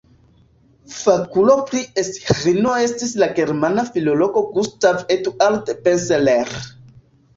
Fakulo pri Esĥino estis la germana filologo Gustav Eduard Benseler.